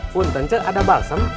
punten ce ada balsam